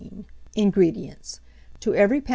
INGREDIENTS. To every lb.